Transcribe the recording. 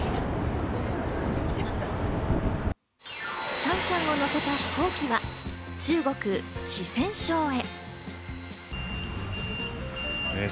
シャンシャンを乗せた飛行機は中国・四川省へ。